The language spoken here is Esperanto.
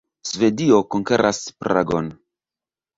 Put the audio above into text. Svedio konkeras Pragon.